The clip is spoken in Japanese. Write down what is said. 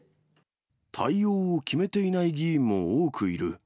対応を決めていない議員も多くいる。